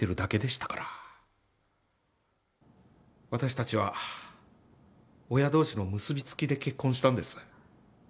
私たちは親同士の結び付きで結婚したんです。